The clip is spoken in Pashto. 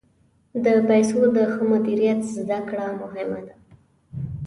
د پیسو د ښه مدیریت زده کړه مهمه ده.